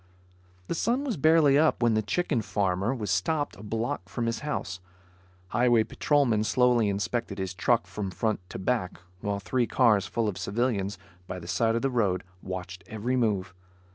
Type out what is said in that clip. The sun was barely up when the chicken farmer was stopped a block from his house, Highway patrolmen slowly inspected his truck from front to back, while three cars full of civilians, by the side of the road, watched every move.